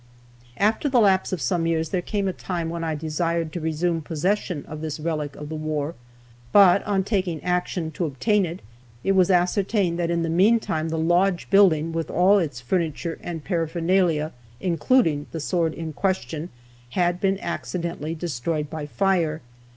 After the lapse of some years there came a time when I desired to resume possession of this relic of the war, but on taking action to obtain it, it was ascertained that in the meantime the lodge building, with all its furniture and paraphernalia, including the sword in question, had been accidentally destroyed by fire.